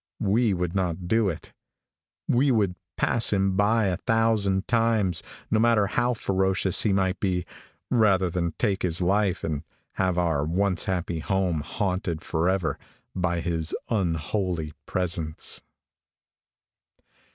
We would not do it. We would pass him by, a thousand times, no matter how ferocious he might be, rather than take his life, and have our once happy home haunted forever by his unholy presence.